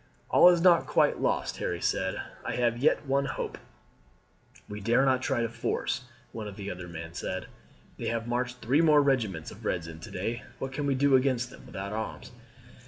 "All is not quite lost," Harry said. "I have yet one hope." "We dare not try force," one of the other men said. "They have marched three more regiments of Reds in to day. What can we do against them without arms?